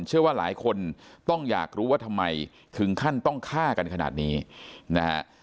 เชื่อว่าหลายคนต้องอยากรู้ว่าทำไมถึงขั้นต้องฆ่ากันขนาดนี้นะฮะ